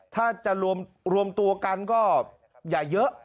ถ้าจะรวมตัวกันก็อย่าเยอะ